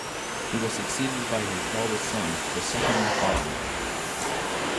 He was succeeded by his eldest son, the second Baronet.